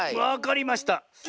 わかりました。